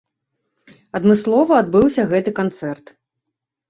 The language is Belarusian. Адмыслова адбыўся гэты канцэрт.